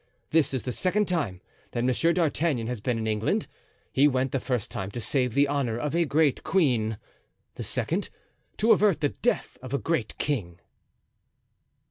This is the second time that Monsieur d'Artagnan has been in England. He went the first time to save the honor of a great queen; the second, to avert the death of a great king."